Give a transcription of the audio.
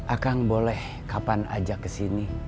akang boleh kapan aja ke sini